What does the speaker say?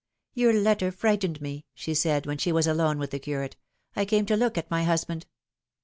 " Your letter frightened me," she said, when she was alone with the curate. " I came to look at my husband.